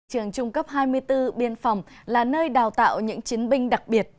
trường trung cấp hai mươi bốn biên phòng là nơi đào tạo những chiến binh đặc biệt